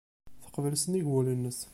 Teqbel nnig wul-nnes.